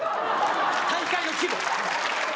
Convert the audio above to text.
大会の規模！